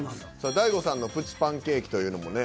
大悟さんのプチパンケーキというのもね。